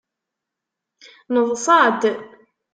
Neḍṣa-d.